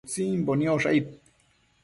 Utsimbo niosh aid